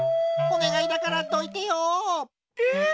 おねがいだからどいてよ！え？